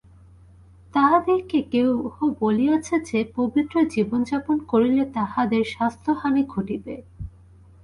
তাহাদিগকে কেহ বলিয়াছে যে, পবিত্র জীবন যাপন করিলে তাহাদের স্বাস্থ্যহানি ঘটিবে।